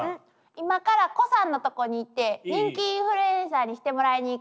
今から胡さんのとこに行って人気インフルエンサーにしてもらいに行く。